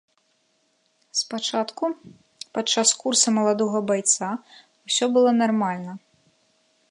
Спачатку, падчас курса маладога байца, усё было нармальна.